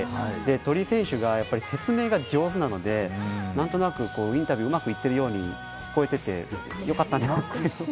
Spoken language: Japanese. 鳥居選手が説明が上手なので何となくインタビューがうまくいっているように聞こえて良かったのではないかと。